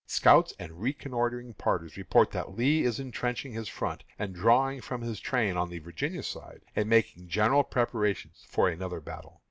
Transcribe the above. Scouts and reconnoitring parties report that Lee is entrenching his front and drawing from his train on the Virginia side, and making general preparations for another battle.